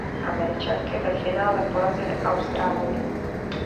Američanky ve finále porazily Austrálii.